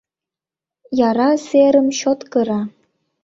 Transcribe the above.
Яра серым чот кыра.